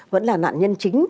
vẫn là nạn nhân chính